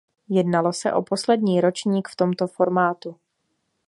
Jednalo se o poslední ročník v tomto formátu.